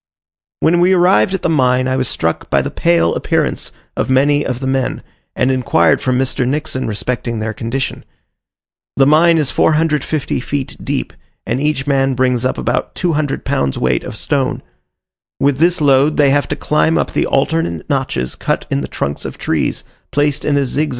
When we arrived at the mine, I was struck by the pale appearance of many of the men, and inquired from Mr. Nixon respecting their condition. The mine is 450 feet deep, and each man brings up about 200 pounds weight of stone. With this load they have to climb up the alternate notches cut in the trunks of trees, placed in a zigzag line up the shaft.